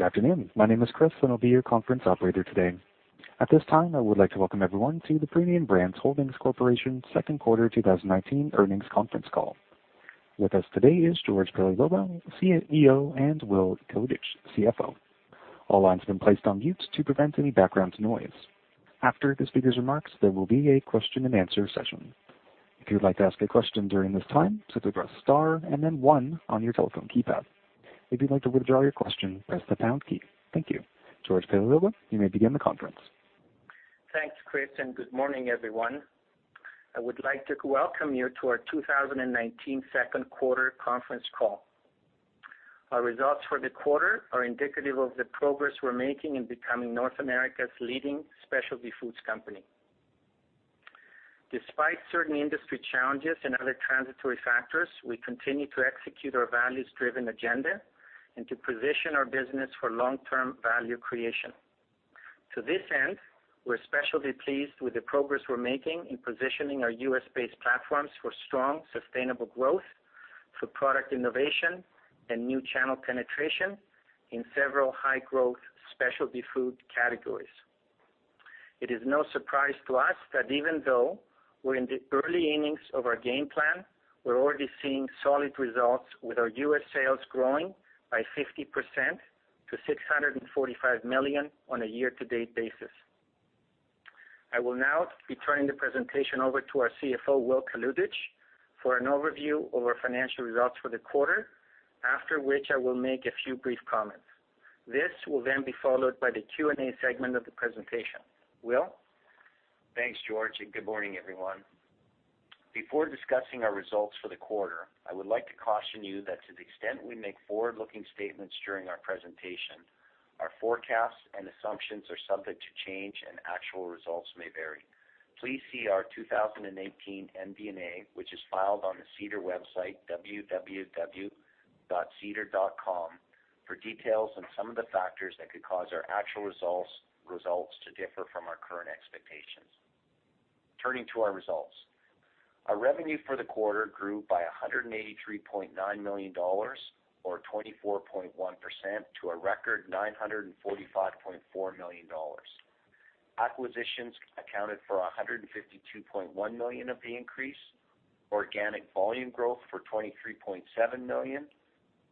Good afternoon. My name is Chris, and I'll be your conference operator today. At this time, I would like to welcome everyone to the Premium Brands Holdings Corporation second quarter 2019 earnings conference call. With us today is George Paleologou, CEO, and Will Kalutycz, CFO. All lines have been placed on mute to prevent any background noise. After the speakers' remarks, there will be a question and answer session. If you would like to ask a question during this time, simply press star and then one on your telephone keypad. If you'd like to withdraw your question, press the pound key. Thank you. George Paleologou, you may begin the conference. Thanks, Chris, and good morning, everyone. I would like to welcome you to our 2019 second quarter conference call. Our results for the quarter are indicative of the progress we're making in becoming North America's leading specialty foods company. Despite certain industry challenges and other transitory factors, we continue to execute our values-driven agenda and to position our business for long-term value creation. To this end, we're especially pleased with the progress we're making in positioning our US-based platforms for strong, sustainable growth, for product innovation, and new channel penetration in several high-growth specialty food categories. It is no surprise to us that even though we're in the early innings of our game plan, we're already seeing solid results with our US sales growing by 50% to 645 million on a year-to-date basis. I will now be turning the presentation over to our CFO, Will Kalutycz, for an overview of our financial results for the quarter, after which I will make a few brief comments. This will then be followed by the Q&A segment of the presentation. Will? Thanks, George. Good morning, everyone. Before discussing our results for the quarter, I would like to caution you that to the extent we make forward-looking statements during our presentation, our forecasts and assumptions are subject to change and actual results may vary. Please see our 2018 MD&A, which is filed on the SEDAR website, www.sedar.com, for details on some of the factors that could cause our actual results to differ from our current expectations. Turning to our results. Our revenue for the quarter grew by 183.9 million dollars, or 24.1%, to a record 945.4 million dollars. Acquisitions accounted for 152.1 million of the increase, organic volume growth for 23.7 million,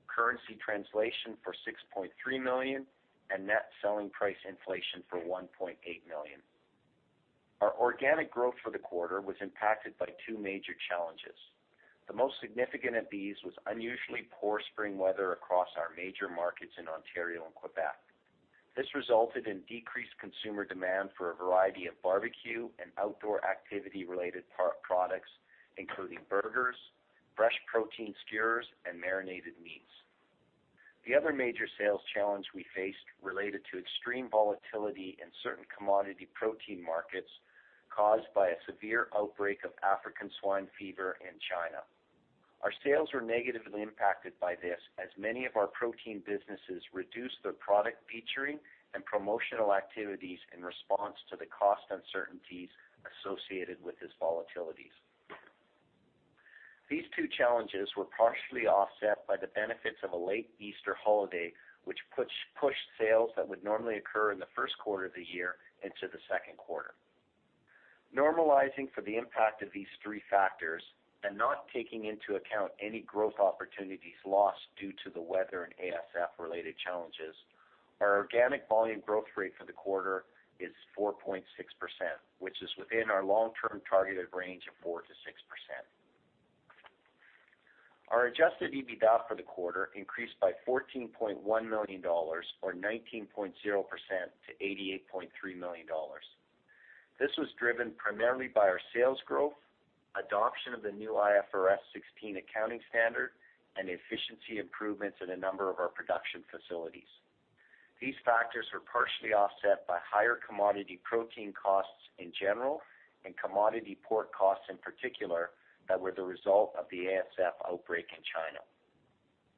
currency translation for 6.3 million, and net selling price inflation for 1.8 million. Our organic growth for the quarter was impacted by two major challenges. The most significant of these was unusually poor spring weather across our major markets in Ontario and Quebec. This resulted in decreased consumer demand for a variety of barbecue and outdoor activity-related products, including burgers, fresh protein skewers, and marinated meats. The other major sales challenge we faced related to extreme volatility in certain commodity protein markets caused by a severe outbreak of African swine fever in China. Our sales were negatively impacted by this as many of our protein businesses reduced their product featuring and promotional activities in response to the cost uncertainties associated with these volatilities. These two challenges were partially offset by the benefits of a late Easter holiday, which pushed sales that would normally occur in the first quarter of the year into the second quarter. Normalizing for the impact of these three factors and not taking into account any growth opportunities lost due to the weather and ASF-related challenges, our organic volume growth rate for the quarter is 4.6%, which is within our long-term targeted range of 4%-6%. Our adjusted EBITDA for the quarter increased by 14.1 million dollars, or 19.0%, to 88.3 million dollars. This was driven primarily by our sales growth, adoption of the new IFRS 16 accounting standard, and efficiency improvements in a number of our production facilities. These factors were partially offset by higher commodity protein costs in general and commodity port costs in particular that were the result of the ASF outbreak in China.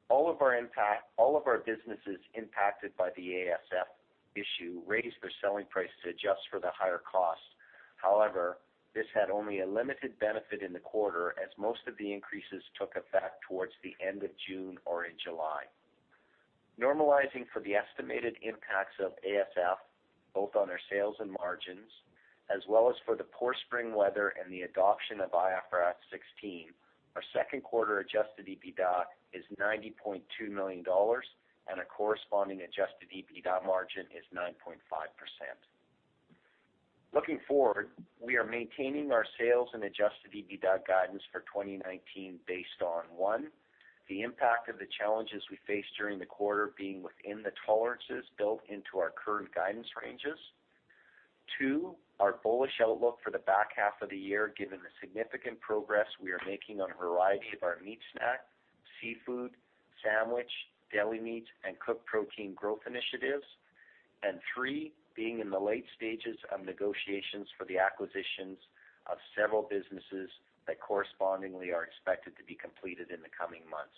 All of our businesses impacted by the ASF issue raised their selling prices to adjust for the higher cost. However, this had only a limited benefit in the quarter as most of the increases took effect towards the end of June or in July. Normalizing for the estimated impacts of ASF, both on our sales and margins, as well as for the poor spring weather and the adoption of IFRS 16, our second quarter adjusted EBITDA is 90.2 million dollars and a corresponding adjusted EBITDA margin is 9.5%. Looking forward, we are maintaining our sales and adjusted EBITDA guidance for 2019 based on, one, the impact of the challenges we faced during the quarter being within the tolerances built into our current guidance ranges. Two, our bullish outlook for the back half of the year, given the significant progress we are making on a variety of our meat snack, seafood, sandwich, deli meat, and cooked protein growth initiatives. Three, being in the late stages of negotiations for the acquisitions of several businesses that correspondingly are expected to be completed in the coming months.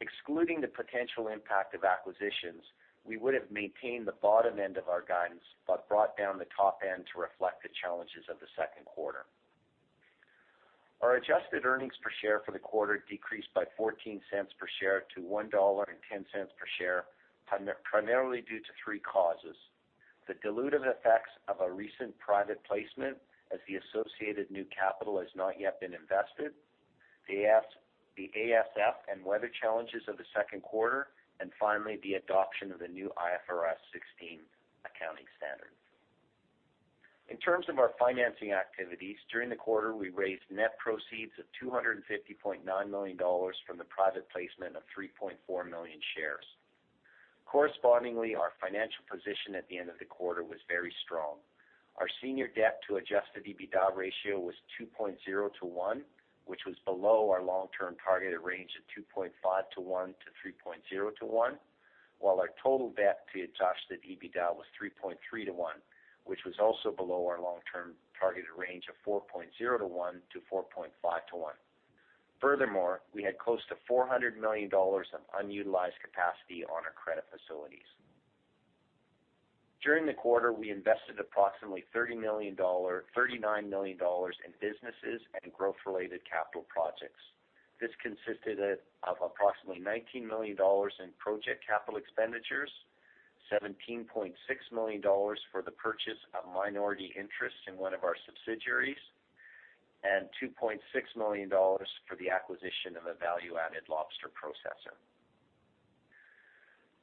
Excluding the potential impact of acquisitions, we would have maintained the bottom end of our guidance but brought down the top end to reflect the challenges of the second quarter. Our adjusted earnings per share for the quarter decreased by 0.14 per share to 1.10 dollar per share, primarily due to three causes. The dilutive effects of a recent private placement, as the associated new capital has not yet been invested. The ASF and weather challenges of the second quarter, and finally, the adoption of the new IFRS 16 accounting standard. In terms of our financing activities, during the quarter, we raised net proceeds of 250.9 million dollars from the private placement of 3.4 million shares. Correspondingly, our financial position at the end of the quarter was very strong. Our senior debt to adjusted EBITDA ratio was 2.0 to 1, which was below our long-term targeted range of 2.5 to 1 to 3.0 to 1, while our total debt to adjusted EBITDA was 3.3 to 1, which was also below our long-term targeted range of 4.0 to 1 to 4.5 to 1. Furthermore, we had close to 400 million dollars of unutilized capacity on our credit facilities. During the quarter, we invested approximately 39 million dollars in businesses and growth-related capital projects. This consisted of approximately 19 million dollars in project capital expenditures, 17.6 million dollars for the purchase of minority interest in one of our subsidiaries, and 2.6 million dollars for the acquisition of a value-added lobster processor.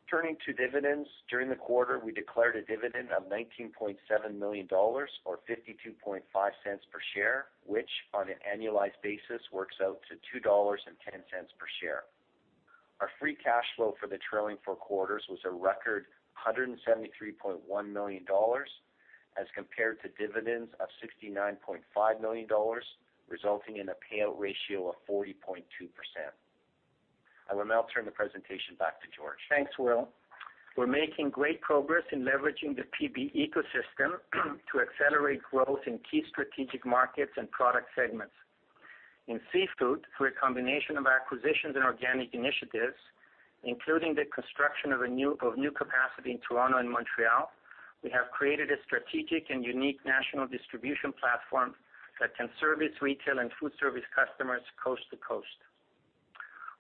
Turning to dividends, during the quarter, we declared a dividend of 19.7 million dollars or 0.525 per share, which on an annualized basis works out to 2.10 dollars per share. Our free cash flow for the trailing four quarters was a record 173.1 million dollars as compared to dividends of 69.5 million dollars, resulting in a payout ratio of 40.2%. I will now turn the presentation back to George. Thanks, Will. We're making great progress in leveraging the PB ecosystem to accelerate growth in key strategic markets and product segments. In seafood, through a combination of acquisitions and organic initiatives, including the construction of new capacity in Toronto and Montreal, we have created a strategic and unique national distribution platform that can service retail and food service customers coast to coast.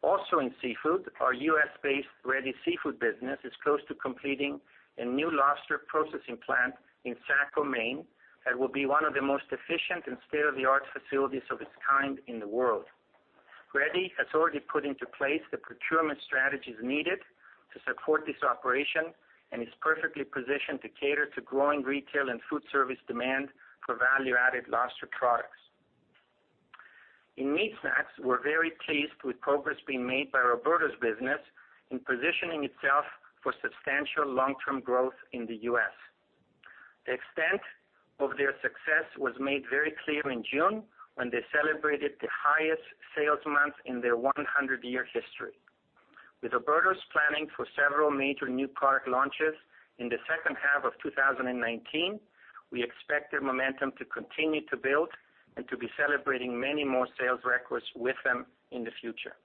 In seafood, our U.S.-based Ready Seafood business is close to completing a new lobster processing plant in Saco, Maine, that will be one of the most efficient and state-of-the-art facilities of its kind in the world. Ready has already put into place the procurement strategies needed to support this operation and is perfectly positioned to cater to growing retail and food service demand for value-added lobster products. In meat snacks, we're very pleased with progress being made by Oberto's business in positioning itself for substantial long-term growth in the U.S. The extent of their success was made very clear in June when they celebrated the highest sales month in their 100-year history. With Oberto's planning for several major new product launches in the second half of 2019, we expect their momentum to continue to build and to be celebrating many more sales records with them in the future.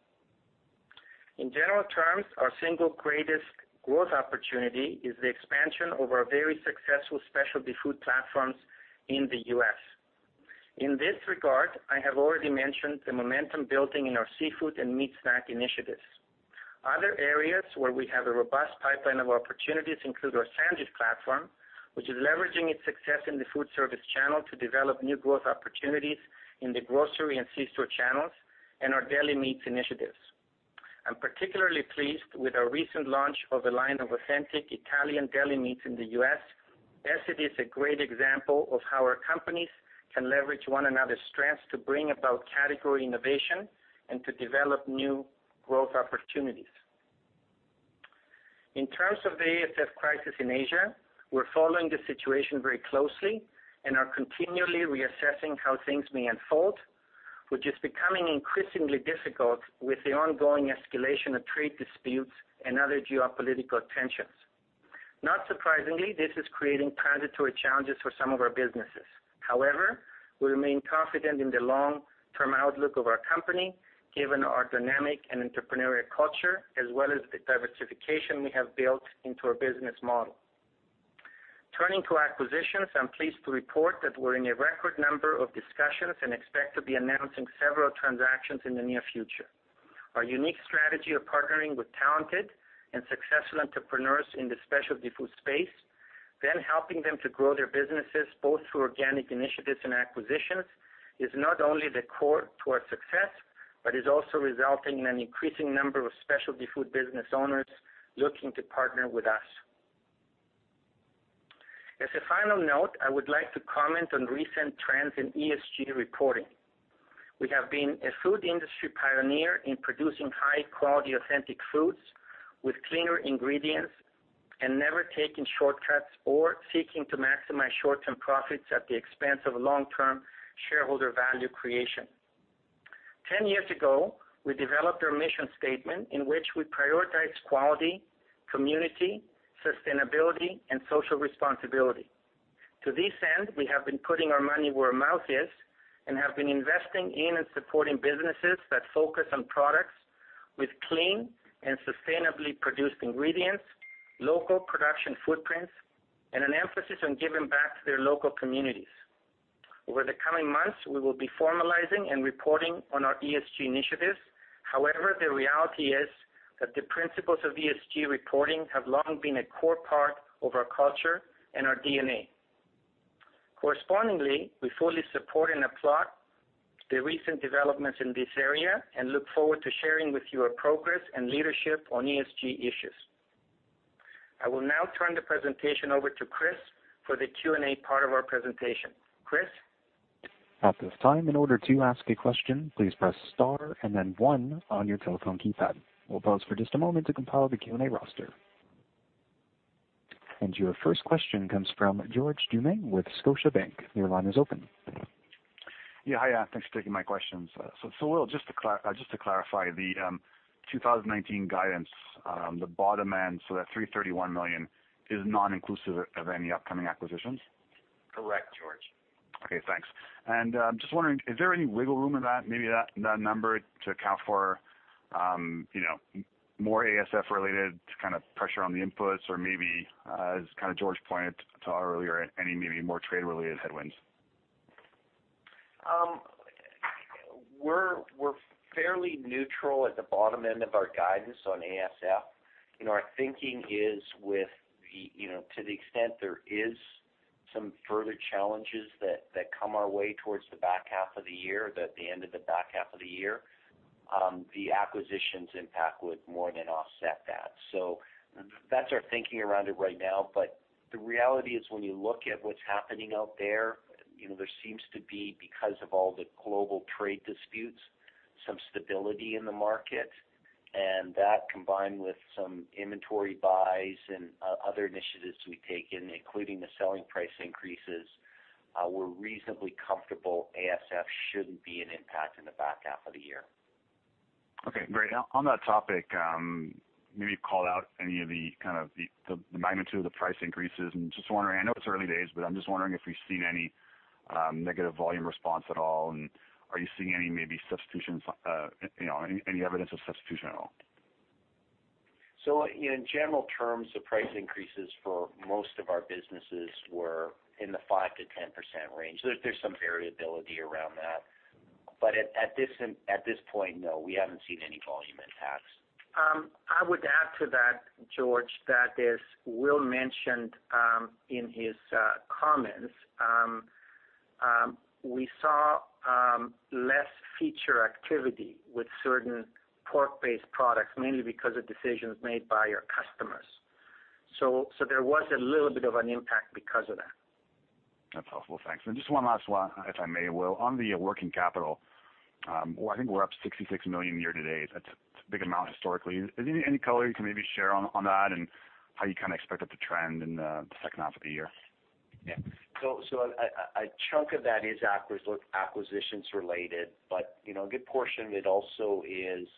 In general terms, our single greatest growth opportunity is the expansion of our very successful specialty food platforms in the U.S. In this regard, I have already mentioned the momentum building in our seafood and meat snack initiatives. Other areas where we have a robust pipeline of opportunities include our sandwich platform, which is leveraging its success in the food service channel to develop new growth opportunities in the grocery and C-store channels, and our deli meats initiatives. I'm particularly pleased with our recent launch of a line of authentic Italian deli meats in the U.S., as it is a great example of how our companies can leverage one another's strengths to bring about category innovation and to develop new growth opportunities. In terms of the ASF crisis in Asia, we're following the situation very closely and are continually reassessing how things may unfold, which is becoming increasingly difficult with the ongoing escalation of trade disputes and other geopolitical tensions. Not surprisingly, this is creating transitory challenges for some of our businesses. However, we remain confident in the long-term outlook of our company, given our dynamic and entrepreneurial culture as well as the diversification we have built into our business model. Turning to acquisitions, I'm pleased to report that we're in a record number of discussions and expect to be announcing several transactions in the near future. Our unique strategy of partnering with talented and successful entrepreneurs in the specialty food space, then helping them to grow their businesses both through organic initiatives and acquisitions, is not only the core to our success but is also resulting in an increasing number of specialty food business owners looking to partner with us. As a final note, I would like to comment on recent trends in ESG reporting. We have been a food industry pioneer in producing high-quality authentic foods with cleaner ingredients and never taking shortcuts or seeking to maximize short-term profits at the expense of long-term shareholder value creation. 10 years ago, we developed our mission statement in which we prioritize quality, community, sustainability, and social responsibility. To this end, we have been putting our money where our mouth is and have been investing in and supporting businesses that focus on products with clean and sustainably produced ingredients, local production footprints, and an emphasis on giving back to their local communities. Over the coming months, we will be formalizing and reporting on our ESG initiatives. The reality is that the principles of ESG reporting have long been a core part of our culture and our DNA. Correspondingly, we fully support and applaud the recent developments in this area and look forward to sharing with you our progress and leadership on ESG issues. I will now turn the presentation over to Chris for the Q&A part of our presentation. Chris? At this time, in order to ask a question, please press star and then one on your telephone keypad. We'll pause for just a moment to compile the Q&A roster. Your first question comes from George Doumet with Scotiabank. Your line is open. Yeah. Hi. Thanks for taking my questions. Will, just to clarify the 2019 guidance, the bottom end, that 331 million is non-inclusive of any upcoming acquisitions? Correct, George. Okay, thanks. Just wondering, is there any wiggle room in that, maybe that number to account for more ASF related kind of pressure on the inputs or maybe as George pointed to earlier, any maybe more trade related headwinds? We're fairly neutral at the bottom end of our guidance on ASF. Our thinking is to the extent there is some further challenges that come our way towards the back half of the year, the end of the back half of the year, the acquisitions impact would more than offset that. That's our thinking around it right now. The reality is when you look at what's happening out there seems to be, because of all the global trade disputes, some stability in the market, and that combined with some inventory buys and other initiatives we've taken, including the selling price increases, we're reasonably comfortable ASF shouldn't be an impact in the back half of the year. Okay, great. On that topic, maybe you called out any of the magnitude of the price increases and I know it's early days, but I'm just wondering if you've seen any negative volume response at all, and are you seeing any evidence of substitution at all? In general terms, the price increases for most of our businesses were in the 5%-10% range. There's some variability around that. At this point, no, we haven't seen any volume impacts. I would add to that, George, that as Will mentioned in his comments, we saw less feature activity with certain pork-based products, mainly because of decisions made by our customers. There was a little bit of an impact because of that. That's helpful. Thanks. Just one last one, if I may, Will. On the working capital, I think we're up 66 million year to date. That's a big amount historically. Any color you can maybe share on that and how you kind of expect it to trend in the second half of the year? Yeah. A chunk of that is acquisitions related, but a good portion of it also is,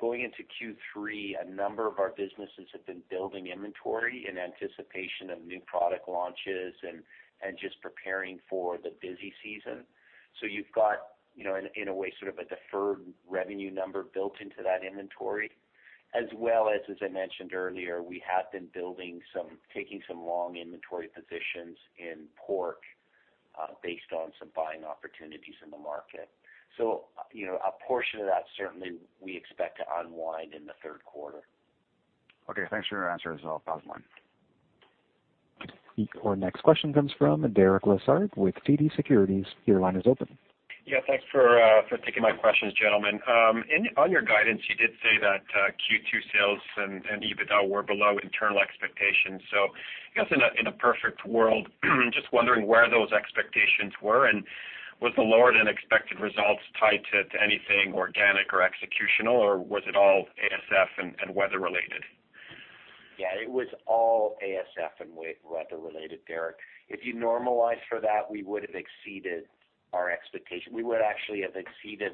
going into Q3, a number of our businesses have been building inventory in anticipation of new product launches and just preparing for the busy season. You've got, in a way, sort of a deferred revenue number built into that inventory. As well as I mentioned earlier, we have been taking some long inventory positions in pork, based on some buying opportunities in the market. A portion of that certainly we expect to unwind in the third quarter. Okay. Thanks for your answers. I'll pause the line. Our next question comes from Derek Lessard with TD Securities. Your line is open. Yeah, thanks for taking my questions, gentlemen. On your guidance, you did say that Q2 sales and EBITDA were below internal expectations. I guess in a perfect world, just wondering where those expectations were, and was the lower-than-expected results tied to anything organic or executional, or was it all ASF and weather related? Yeah, it was all ASF and weather related, Derek. If you normalize for that, we would actually have exceeded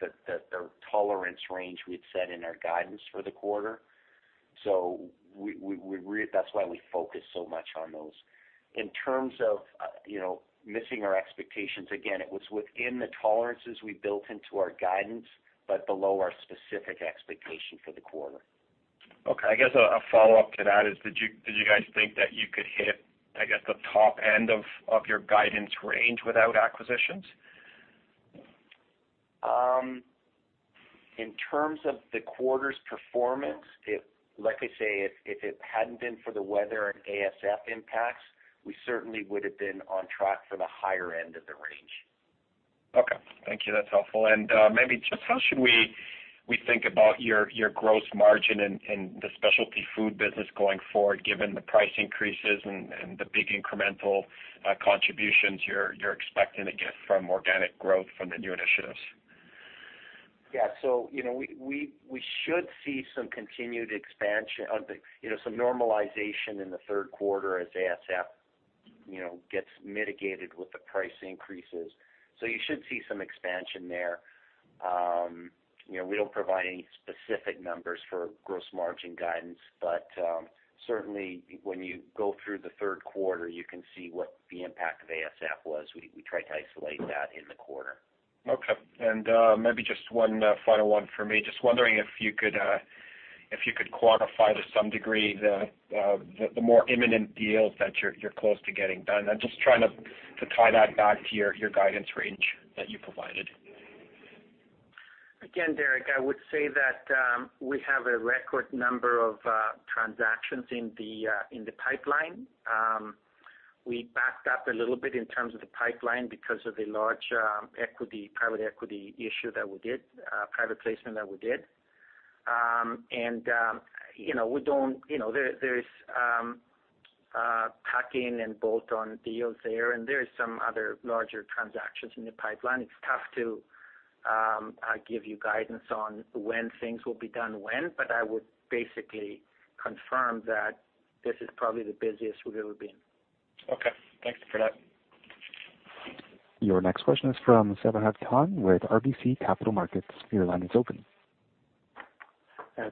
the tolerance range we'd set in our guidance for the quarter. That's why we focus so much on those. In terms of missing our expectations, again, it was within the tolerances we built into our guidance, but below our specific expectation for the quarter. I guess a follow-up to that is did you guys think that you could hit, I guess, the top end of your guidance range without acquisitions? In terms of the quarter's performance, like I say, if it hadn't been for the weather and ASF impacts, we certainly would have been on track for the higher end of the range. Okay. Thank you. That's helpful. Maybe just how should we think about your gross margin and the specialty food business going forward given the price increases and the big incremental contributions you're expecting to get from organic growth from the new initiatives? Yeah. We should see some continued expansion, some normalization in the third quarter as ASF gets mitigated with the price increases. You should see some expansion there. We don't provide any specific numbers for gross margin guidance, but certainly when you go through the third quarter, you can see what the impact of ASF was. We tried to isolate that in the quarter. Okay. Maybe just one final one for me. Just wondering if you could quantify to some degree the more imminent deals that you're close to getting done. I'm just trying to tie that back to your guidance range that you provided. Again, Derek, I would say that we have a record number of transactions in the pipeline. We backed up a little bit in terms of the pipeline because of the large private equity issue that we did, private placement that we did. There's tuck-in and bolt-on deals there, and there are some other larger transactions in the pipeline. It's tough to give you guidance on when things will be done when, but I would basically confirm that this is probably the busiest we've ever been. Okay. Thanks for that. Your next question is from Saba Khan with RBC Capital Markets. Your line is open.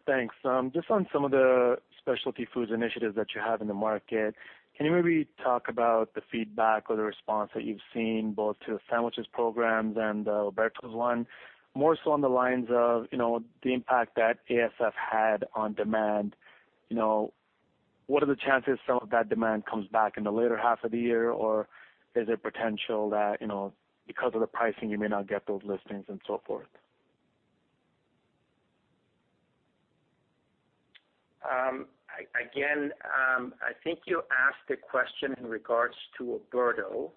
Thanks. Just on some of the specialty foods initiatives that you have in the market, can you maybe talk about the feedback or the response that you've seen both to the sandwiches programs and the Oberto's one, more so on the lines of the impact that ASF had on demand. What are the chances some of that demand comes back in the latter half of the year, or is it potential that because of the pricing you may not get those listings and so forth? Again, I think you asked the question in regards to Oberto.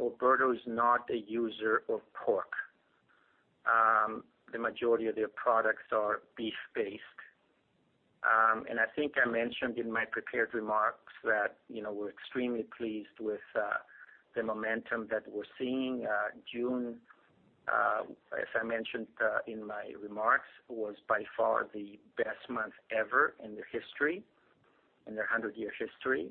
Oberto is not a user of pork. The majority of their products are beef-based. I think I mentioned in my prepared remarks that we're extremely pleased with the momentum that we're seeing. June, as I mentioned in my remarks, was by far the best month ever in their 100-year history.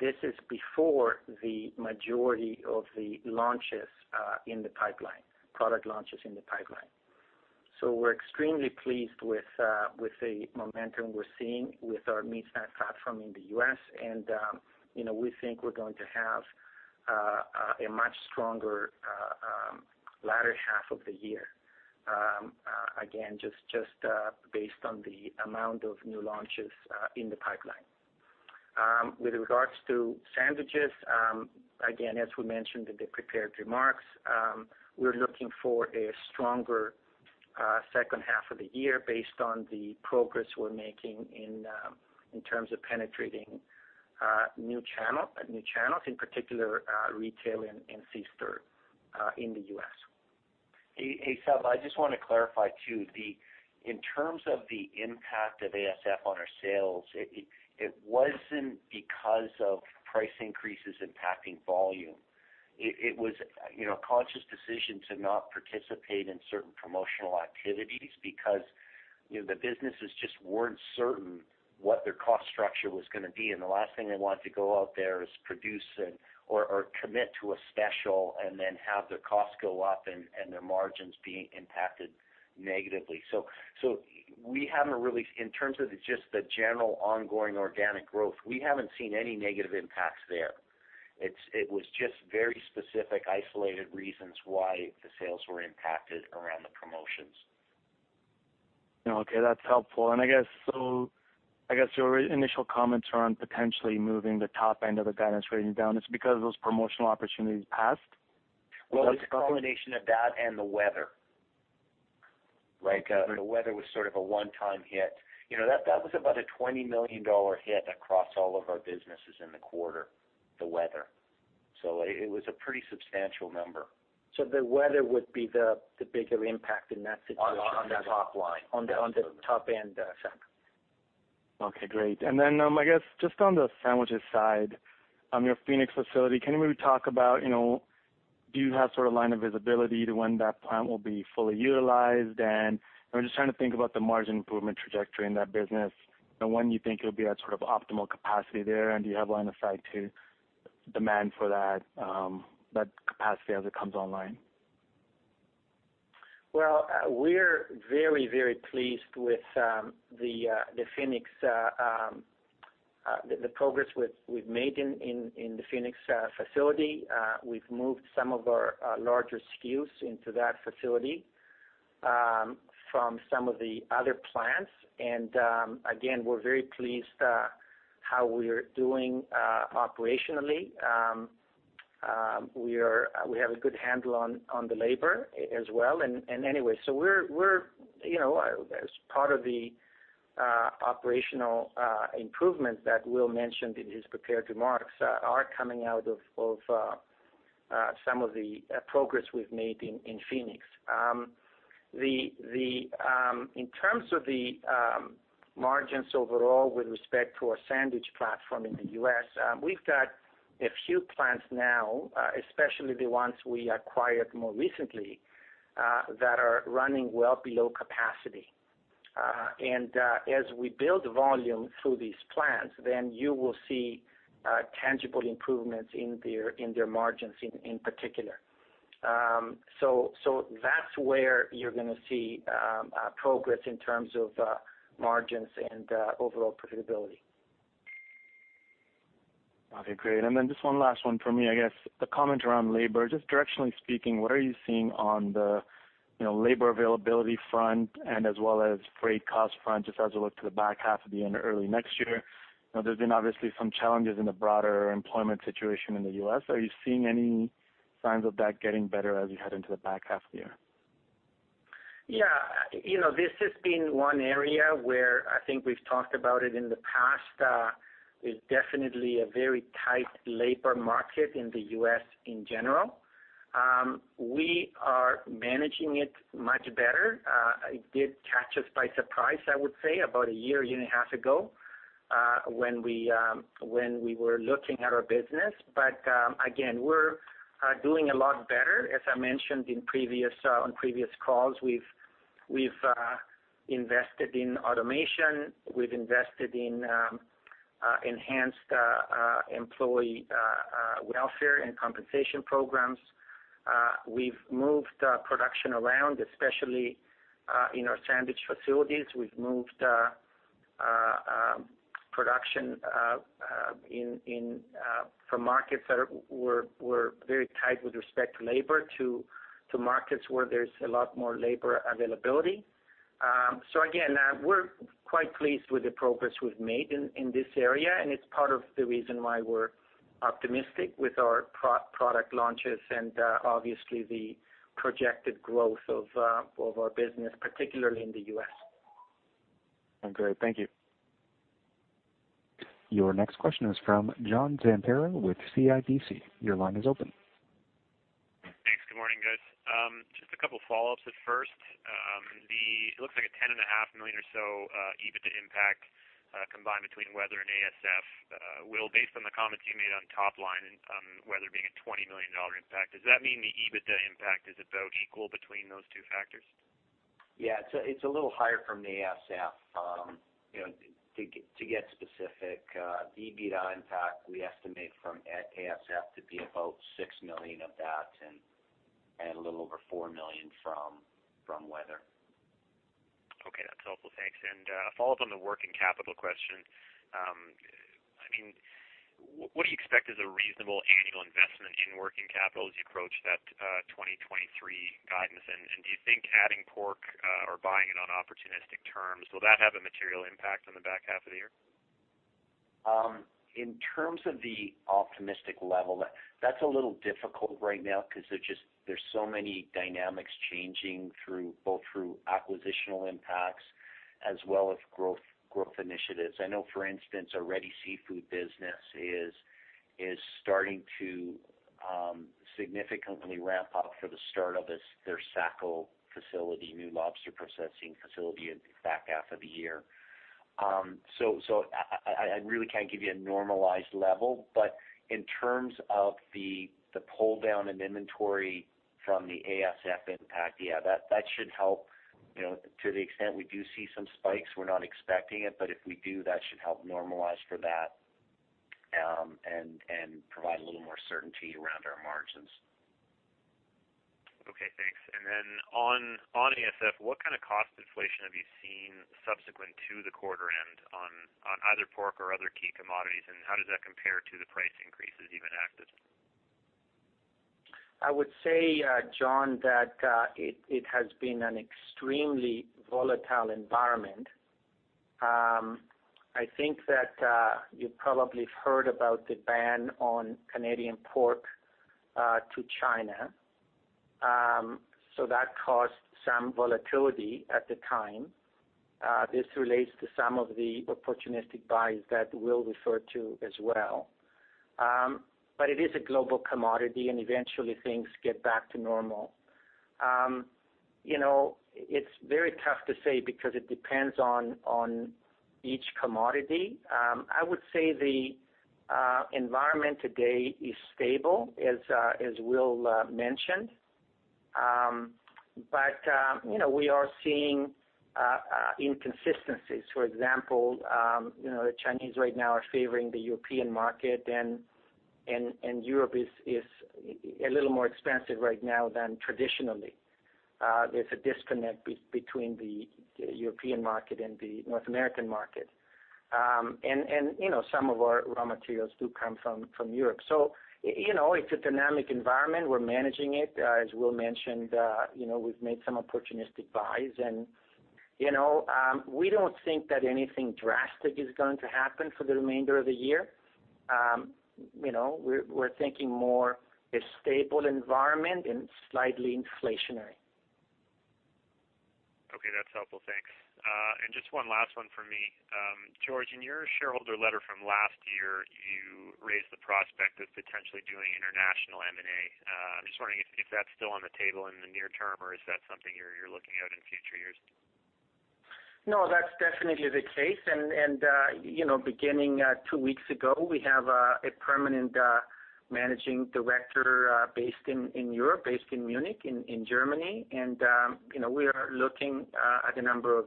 This is before the majority of the launches in the pipeline, product launches in the pipeline. We're extremely pleased with the momentum we're seeing with our meat snack platform in the U.S., and we think we're going to have a much stronger latter half of the year. Again, just based on the amount of new launches in the pipeline. With regards to sandwiches, again, as we mentioned in the prepared remarks, we're looking for a stronger second half of the year based on the progress we're making in terms of penetrating new channels, in particular retail and C-store in the U.S. Hey, Saba, I just want to clarify too, in terms of the impact of ASF on our sales, it wasn't because of price increases impacting volume. It was a conscious decision to not participate in certain promotional activities because the businesses just weren't certain what their cost structure was going to be, and the last thing they wanted to go out there is produce or commit to a special and then have their costs go up and their margins being impacted negatively. In terms of just the general ongoing organic growth, we haven't seen any negative impacts there. It was just very specific, isolated reasons why the sales were impacted around the promotions. Okay, that's helpful. I guess your initial comments are on potentially moving the top end of the guidance rating down. It's because those promotional opportunities passed? It's a combination of that and the weather. The weather was sort of a one-time hit. That was about a 20 million dollar hit across all of our businesses in the quarter, the weather. It was a pretty substantial number. The weather would be the bigger impact in that situation. On the top line. On the top end, Saba. Okay, great. I guess just on the sandwiches side, your Phoenix facility, can you maybe talk about, do you have sort of line of visibility to when that plant will be fully utilized? I'm just trying to think about the margin improvement trajectory in that business and when you think it'll be at sort of optimal capacity there, and do you have line of sight to demand for that capacity as it comes online? Well, we're very pleased with the progress we've made in the Phoenix facility. We've moved some of our larger SKUs into that facility from some of the other plants. Again, we're very pleased how we're doing operationally. We have a good handle on the labor as well. Anyway, as part of the operational improvements that Will mentioned in his prepared remarks are coming out of some of the progress we've made in Phoenix. In terms of the margins overall with respect to our sandwich platform in the U.S., we've got a few plants now, especially the ones we acquired more recently, that are running well below capacity. As we build volume through these plants, you will see tangible improvements in their margins in particular. That's where you're going to see progress in terms of margins and overall profitability. Okay, great. Then just one last one for me, I guess. The comment around labor, just directionally speaking, what are you seeing on the labor availability front and as well as freight cost front, just as we look to the back half of the year and early next year? There's been obviously some challenges in the broader employment situation in the U.S. Are you seeing any signs of that getting better as we head into the back half of the year? Yeah. This has been one area where I think we've talked about it in the past. It's definitely a very tight labor market in the U.S. in general. We are managing it much better. It did catch us by surprise, I would say, about a year and a half ago, when we were looking at our business. Again, we're doing a lot better. As I mentioned on previous calls, we've invested in automation, we've invested in enhanced employee welfare and compensation programs. We've moved production around, especially in our sandwich facilities. We've moved production from markets that were very tight with respect to labor, to markets where there's a lot more labor availability. Again, we're quite pleased with the progress we've made in this area, and it's part of the reason why we're optimistic with our product launches and obviously the projected growth of our business, particularly in the U.S. Great. Thank you. Your next question is from John Zamparo with CIBC. Your line is open. Thanks. Good morning, guys. Just a couple of follow-ups at first. It looks like a 10.5 million or so EBITDA impact combined between weather and ASF. Will, based on the comments you made on top line on weather being a 20 million dollar impact, does that mean the EBITDA impact is about equal between those two factors? Yeah, it's a little higher from the ASF. To get specific, the EBITDA impact we estimate from ASF to be about 6 million of that and a little over 4 million from weather. Okay, that's helpful. Thanks. A follow-up on the working capital question. What do you expect is a reasonable annual investment in working capital as you approach that 2023 guidance? Do you think adding pork or buying it on opportunistic terms, will that have a material impact on the back half of the year? In terms of the optimistic level, that's a little difficult right now because there's so many dynamics changing both through acquisitional impacts as well as growth initiatives. I know, for instance, our Ready Seafood business is starting to significantly ramp up for the start of their Saco facility, new lobster processing facility in the back half of the year. I really can't give you a normalized level, but in terms of the pull down in inventory from the ASF impact, yeah, that should help. To the extent we do see some spikes, we're not expecting it, but if we do, that should help normalize for that, and provide a little more certainty around our margins. Okay, thanks. On ASF, what kind of cost inflation have you seen subsequent to the quarter end on either pork or other key commodities, and how does that compare to the price increases you've enacted? I would say, John, that it has been an extremely volatile environment. I think that you probably have heard about the ban on Canadian pork to China. That caused some volatility at the time. This relates to some of the opportunistic buys that Will referred to as well. It is a global commodity and eventually things get back to normal. It's very tough to say because it depends on each commodity. I would say the environment today is stable, as Will mentioned. We are seeing inconsistencies. For example, the Chinese right now are favoring the European market and Europe is a little more expensive right now than traditionally. There's a disconnect between the European market and the North American market. Some of our raw materials do come from Europe. It's a dynamic environment. We're managing it. As Will mentioned, we've made some opportunistic buys and we don't think that anything drastic is going to happen for the remainder of the year. We're thinking more a stable environment and slightly inflationary. Okay, that's helpful. Thanks. Just one last one from me. George, in your shareholder letter from last year, you raised the prospect of potentially doing international M&A. I'm just wondering if that's still on the table in the near term, or is that something you're looking at in future years? Definitely the case. Beginning two weeks ago, we have a permanent managing director based in Europe, based in Munich, in Germany. We are looking at a number of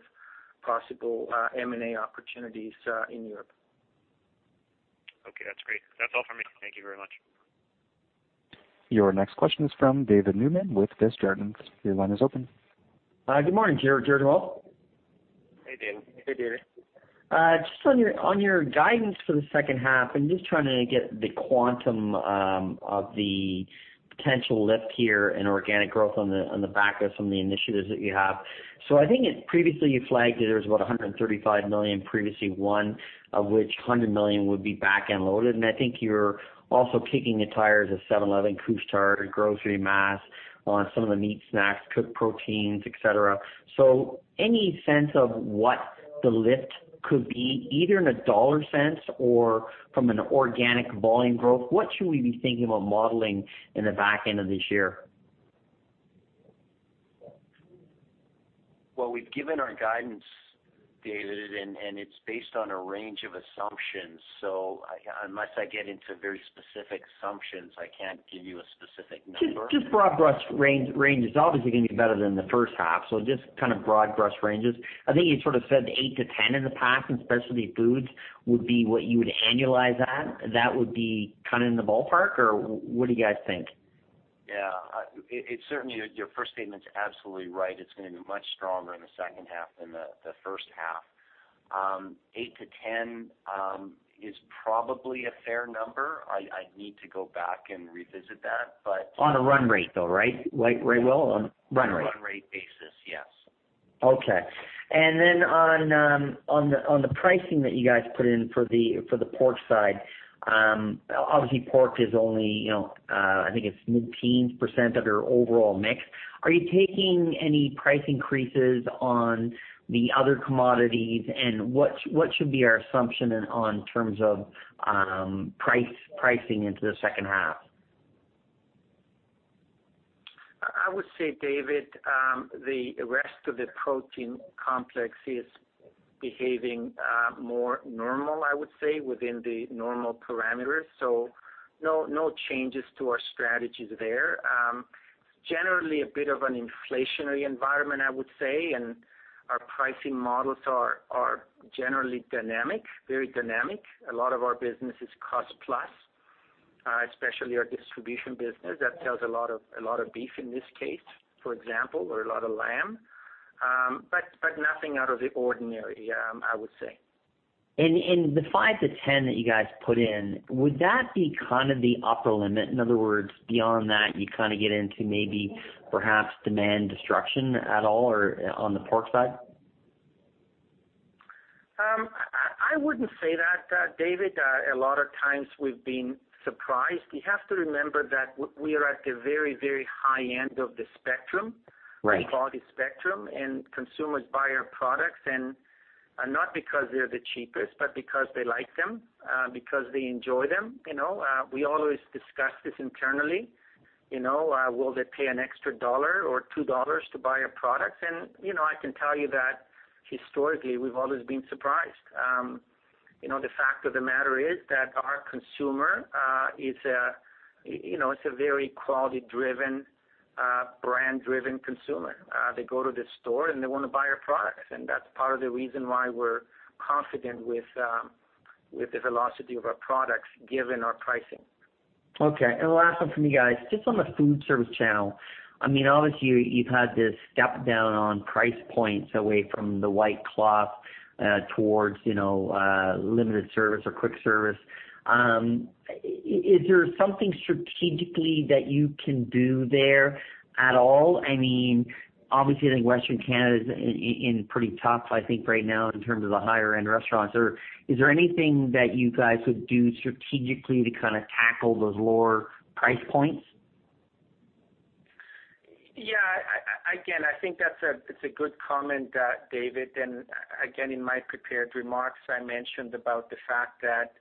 possible M&A opportunities in Europe. Okay. That's great. That's all for me. Thank you very much. Your next question is from David Newman with Desjardins. Your line is open. Good morning, George. Hey, David. Hey, David. Just on your guidance for the second half, I'm just trying to get the quantum of the potential lift here in organic growth on the back of some of the initiatives that you have. I think previously you flagged that there was about 135 million, previously one of which 100 million would be back-end loaded, and I think you're also kicking the tires at 7-Eleven, Couche-Tard, grocery mass on some of the meat snacks, cooked proteins, et cetera. Any sense of what the lift could be, either in a dollar sense or from an organic volume growth? What should we be thinking about modeling in the back end of this year? Well, we've given our guidance, David, and it's based on a range of assumptions. Unless I get into very specific assumptions, I can't give you a specific number. Just broad brush ranges. Obviously going to be better than the first half, so just broad brush ranges. I think you sort of said 8 to 10 in the past in specialty foods would be what you would annualize that. That would be kind of in the ballpark, or what do you guys think? Yeah. It's certainly, your first statement's absolutely right. It's going to be much stronger in the second half than the first half. Eight to 10 is probably a fair number. I'd need to go back and revisit that. On a run rate, though, right? [Like very well] on run rate. On a run rate basis, yes. Okay. On the pricing that you guys put in for the pork side, obviously pork is only, I think it's mid-teens% of your overall mix. Are you taking any price increases on the other commodities, and what should be our assumption on terms of pricing into the second half? I would say, David, the rest of the protein complex is behaving more normal, I would say, within the normal parameters. No changes to our strategies there. Generally a bit of an inflationary environment, I would say, and our pricing models are generally dynamic, very dynamic. A lot of our business is cost plus, especially our distribution business that sells a lot of beef in this case, for example, or a lot of lamb. Nothing out of the ordinary, I would say. The 5-10 that you guys put in, would that be kind of the upper limit? In other words, beyond that, you kind of get into maybe perhaps demand destruction at all or on the pork side? I wouldn't say that, David. A lot of times we've been surprised. You have to remember that we are at the very, very high end of the spectrum. Right. The quality spectrum. Consumers buy our products and not because they're the cheapest, but because they like them, because they enjoy them. We always discuss this internally. Will they pay an extra dollar or 2 dollars to buy a product? I can tell you that historically, we've always been surprised. The fact of the matter is that our consumer is a very quality-driven, brand-driven consumer. They go to the store, and they want to buy our products, and that's part of the reason why we're confident with the velocity of our products given our pricing. Okay. The last one from me, guys. Just on the foodservice channel, obviously you've had to step down on price points away from the white-cloth towards limited service or quick-service. Is there something strategically that you can do there at all? Obviously, I think Western Canada is pretty tough right now in terms of the higher-end restaurants. Is there anything that you guys would do strategically to kind of tackle those lower price points? Yeah. Again, I think that's a good comment, David. Again, in my prepared remarks, I mentioned about the fact that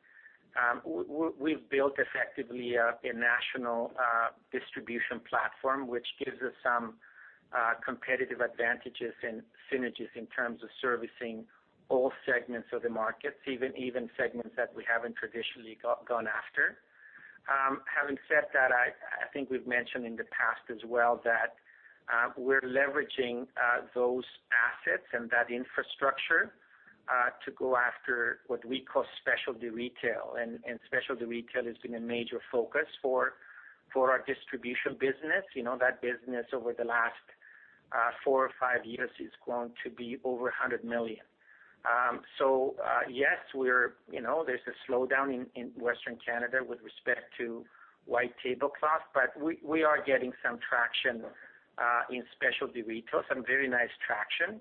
we've built effectively a national distribution platform, which gives us some competitive advantages and synergies in terms of servicing all segments of the markets, even segments that we haven't traditionally gone after. Having said that, I think we've mentioned in the past as well that we're leveraging those assets and that infrastructure to go after what we call specialty retail. Specialty retail has been a major focus for our distribution business. That business over the last four or five years has grown to be over 100 million. Yes, there's a slowdown in Western Canada with respect to white tablecloth, but we are getting some traction in specialty retail, some very nice traction.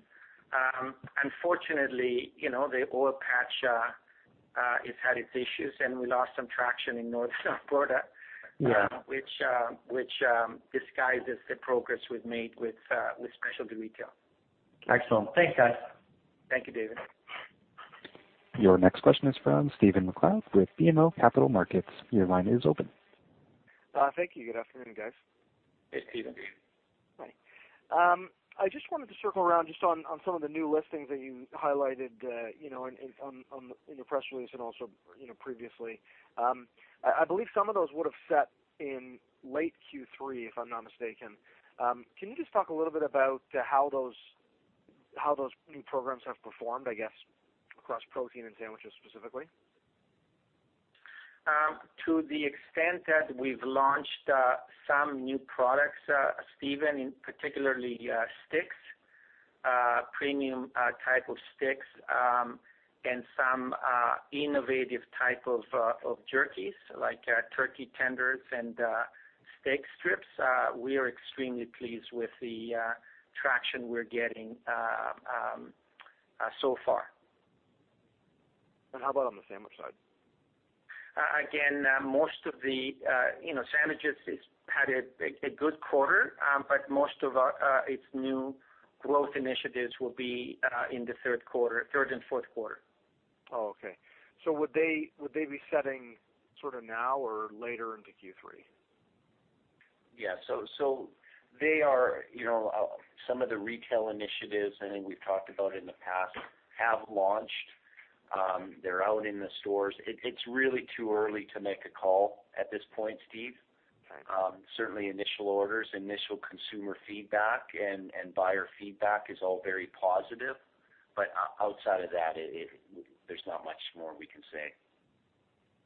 Unfortunately, the oil patch has had its issues, and we lost some traction in North Dakota. Yeah which disguises the progress we've made with specialty retail. Excellent. Thanks, guys. Thank you, David. Your next question is from Stephen MacLeod with BMO Capital Markets. Your line is open. Thank you. Good afternoon, guys. Hey, Stephen. Hi. I just wanted to circle around on some of the new listings that you highlighted in your press release and also previously. I believe some of those would have set in late Q3, if I'm not mistaken. Can you just talk a little bit about how those new programs have performed, I guess, across protein and sandwiches specifically? To the extent that we've launched some new products, Stephen, in particularly sticks, premium type of sticks and some innovative type of jerkies like turkey tenders and steak strips. We are extremely pleased with the traction we're getting so far. How about on the sandwich side? Sandwiches had a good quarter, but most of its new growth initiatives will be in the third and fourth quarter. Oh, okay. Would they be setting sort of now or later into Q3? Yeah. Some of the retail initiatives, I think we've talked about in the past, have launched. They're out in the stores. It's really too early to make a call at this point, Steve. Okay. Certainly initial orders, initial consumer feedback, and buyer feedback is all very positive. Outside of that, there's not much more we can say.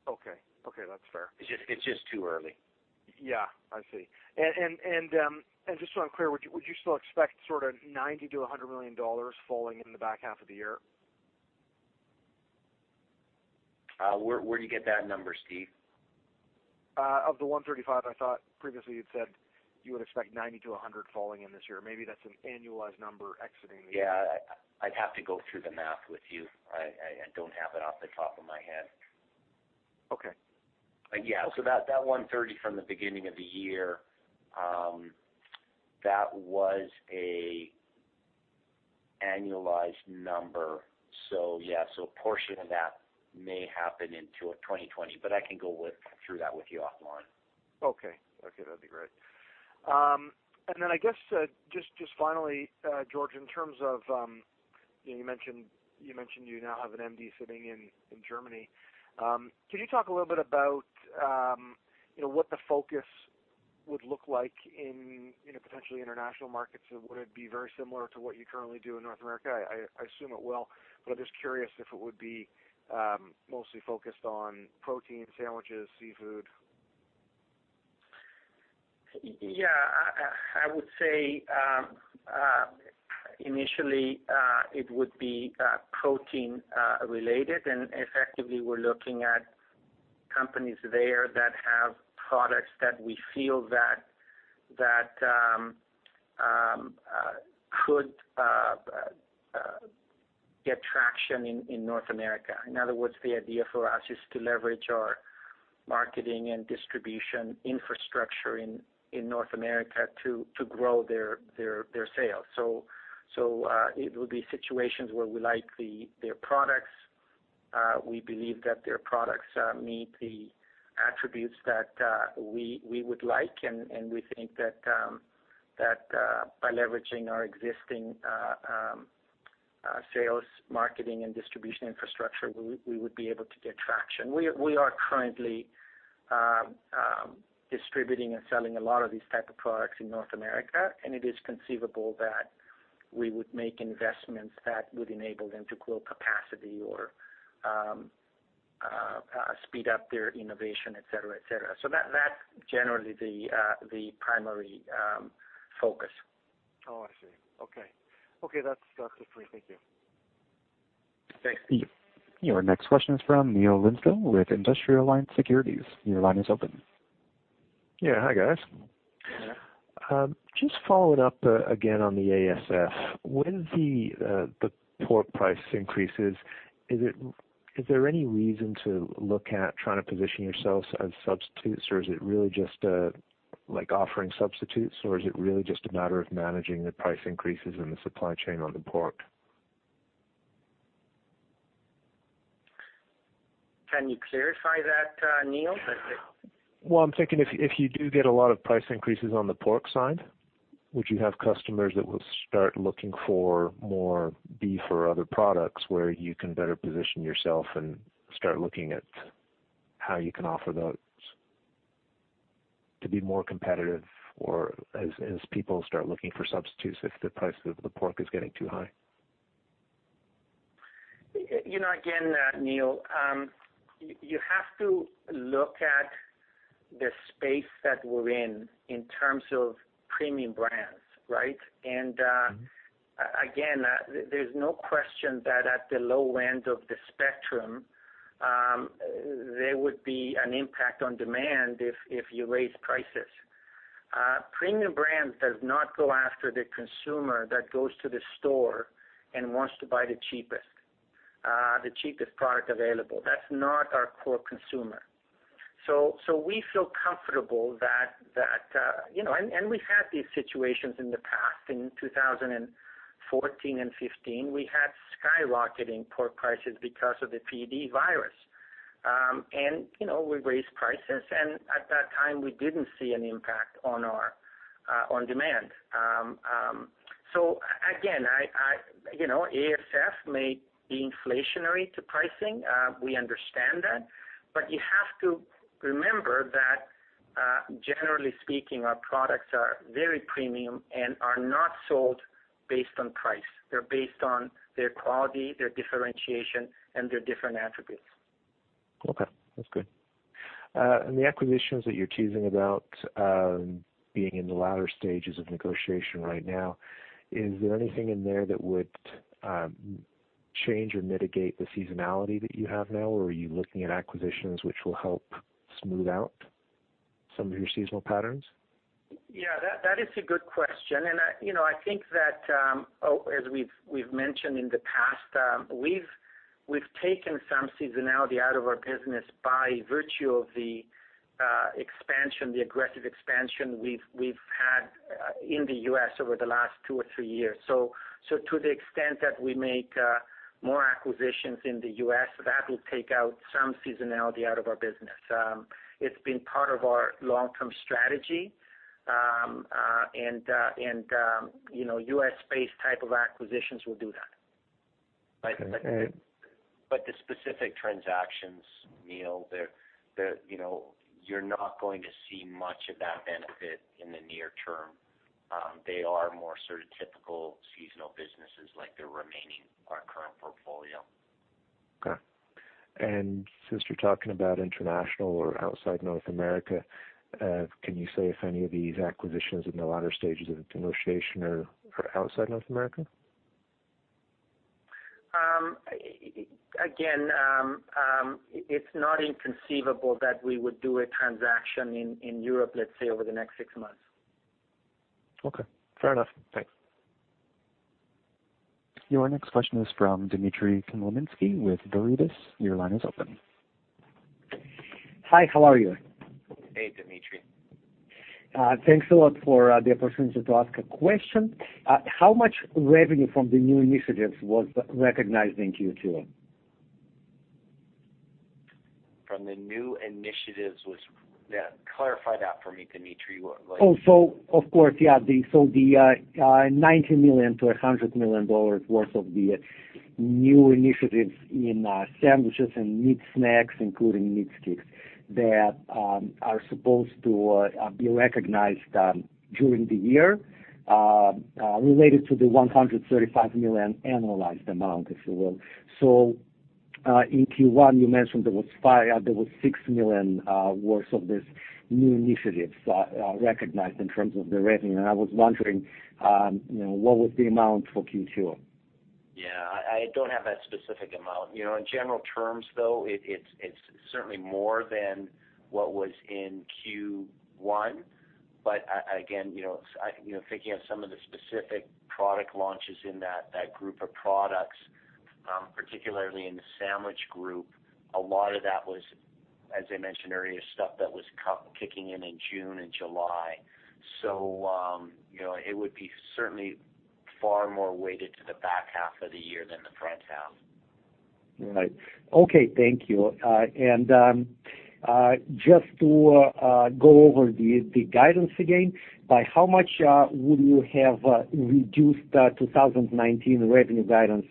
Okay. That's fair. It's just too early. Yeah. I see. Just so I'm clear, would you still expect sort of 90 million-100 million dollars falling in the back half of the year? Where do you get that number, Steve? Of the 135 I thought previously you'd said you would expect 90-100 falling in this year. Maybe that's an annualized number exiting the- Yeah, I'd have to go through the math with you. I don't have it off the top of my head. Okay. Yeah. That 130 from the beginning of the year, that was an annualized number. Yeah, so a portion of that may happen into 2020, but I can go through that with you offline. Okay. That'd be great. Then I guess, just finally, George, in terms of, you mentioned you now have an MD sitting in Germany. Can you talk a little bit about what the focus would look like in potentially international markets? Would it be very similar to what you currently do in North America? I assume it will, but I'm just curious if it would be mostly focused on protein, sandwiches, seafood. I would say, initially, it would be protein related, effectively we're looking at companies there that have products that we feel that could get traction in North America. In other words, the idea for us is to leverage our marketing and distribution infrastructure in North America to grow their sales. It will be situations where we like their products, we believe that their products meet the attributes that we would like, and we think that by leveraging our existing sales, marketing, and distribution infrastructure, we would be able to get traction. We are currently distributing and selling a lot of these type of products in North America, it is conceivable that we would make investments that would enable them to grow capacity or speed up their innovation, et cetera. That's generally the primary focus. Oh, I see. Okay. That's it for me. Thank you. Thanks. Your next question is from Neil Linsdell with Industrial Alliance Securities. Your line is open. Yeah. Hi, guys. Hi. Just following up again on the ASF. With the pork price increases, is there any reason to look at trying to position yourselves as substitutes, or is it really just like offering substitutes, or is it really just a matter of managing the price increases in the supply chain on the pork? Can you clarify that, Neil? Well, I'm thinking if you do get a lot of price increases on the pork side, would you have customers that will start looking for more beef or other products where you can better position yourself and start looking at how you can offer those to be more competitive or as people start looking for substitutes if the price of the pork is getting too high? Again, Neil, you have to look at the space that we're in terms of Premium Brands, right? Again, there's no question that at the low end of the spectrum, there would be an impact on demand if you raise prices. Premium Brands does not go after the consumer that goes to the store and wants to buy the cheapest product available. That's not our core consumer. We feel comfortable that we've had these situations in the past. In 2014 and 2015, we had skyrocketing pork prices because of the PED virus. We raised prices, and at that time, we didn't see an impact on demand. Again, ASF may be inflationary to pricing. We understand that, but you have to remember that, generally speaking, our products are very premium and are not sold based on price. They're based on their quality, their differentiation, and their different attributes. Okay. That's good. The acquisitions that you're teasing about being in the latter stages of negotiation right now, is there anything in there that would change or mitigate the seasonality that you have now? Are you looking at acquisitions which will help smooth out some of your seasonal patterns? Yeah, that is a good question. I think that, as we've mentioned in the past, we've taken some seasonality out of our business by virtue of the aggressive expansion we've had in the U.S. over the last two or three years. To the extent that we make more acquisitions in the U.S., that will take out some seasonality out of our business. It's been part of our long-term strategy. U.S.-based type of acquisitions will do that. Okay. The specific transactions, Neil, you're not going to see much of that benefit in the near term. They are more sort of typical seasonal businesses like the remaining, our current portfolio. Okay. Since you're talking about international or outside North America, can you say if any of these acquisitions in the latter stages of negotiation are outside North America? Again, it's not inconceivable that we would do a transaction in Europe, let's say, over the next six months. Okay. Fair enough. Thanks. Your next question is from Dmitry Khmelnitsky with Veritas Investment Research. Your line is open. Hi, how are you? Hey, Dmitry. Thanks a lot for the opportunity to ask a question. How much revenue from the new initiatives was recognized in Q2? Yeah, clarify that for me, Dmitry. Of course, yeah. The 90 million to 100 million dollars worth of the new initiatives in sandwiches and meat snacks, including meat sticks, that are supposed to be recognized during the year, related to the 135 million annualized amount, if you will. In Q1, you mentioned there was 6 million worth of these new initiatives recognized in terms of the revenue. I was wondering, what was the amount for Q2? Yeah, I don't have that specific amount. In general terms though, it's certainly more than what was in Q1. Again, thinking of some of the specific product launches in that group of products, particularly in the sandwich group, a lot of that was, as I mentioned earlier, stuff that was kicking in in June and July. It would be certainly far more weighted to the back half of the year than the front half. Right. Okay. Thank you. Just to go over the guidance again, by how much would you have reduced 2019 revenue guidance,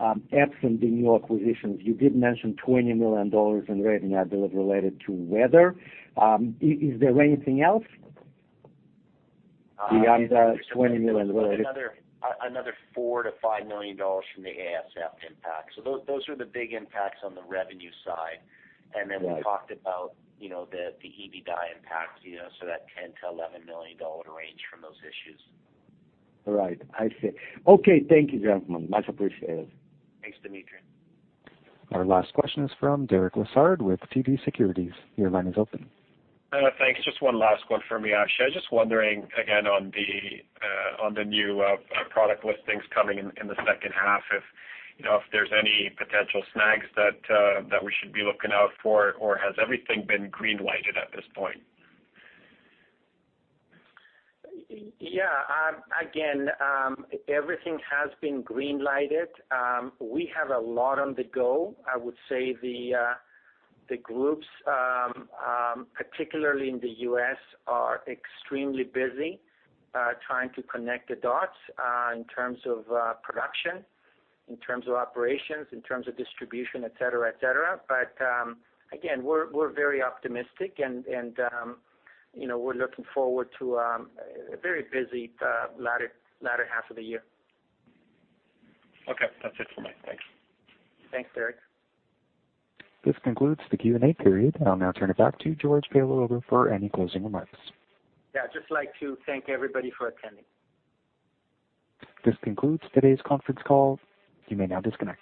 absent the new acquisitions? You did mention 20 million dollars in revenue, I believe, related to weather. Is there anything else beyond the 20 million? Another 4 million-5 million dollars from the ASF impact. Those are the big impacts on the revenue side. Right. We talked about the EBITDA impacts, so that 10 million-11 million dollar range from those issues. Right. I see. Okay. Thank you, gentlemen. Much appreciated. Thanks, Dmitry. Our last question is from Derek Lessard with TD Securities. Your line is open. Thanks. Just one last one for me. I was just wondering, again, on the new product listings coming in the second half, if there's any potential snags that we should be looking out for, or has everything been green-lighted at this point? Yeah. Again, everything has been green-lighted. We have a lot on the go. I would say the groups, particularly in the U.S., are extremely busy trying to connect the dots in terms of production, in terms of operations, in terms of distribution, et cetera. Again, we're very optimistic and we're looking forward to a very busy latter half of the year. Okay, that's it for me. Thanks. Thanks, Derek. This concludes the Q&A period. I'll now turn it back to George Paleologou for any closing remarks. Yeah, I'd just like to thank everybody for attending. This concludes today's conference call. You may now disconnect.